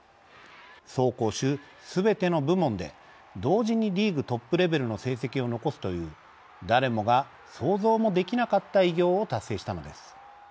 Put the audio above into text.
走攻守すべての部門で同時にリーグトップレベルの成績を残すという誰もが想像もできなかった偉業を達成したのです。